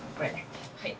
はい。